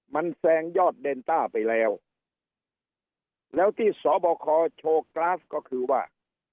มันแซงยอดเดนต้าไปแล้วแล้วที่สบคโชว์กราฟก็คือว่า